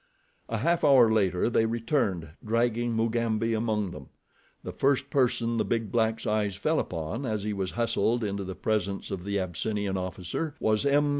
A half hour later they returned, dragging Mugambi among them. The first person the big black's eyes fell upon as he was hustled into the presence of the Abyssinian officer, was M.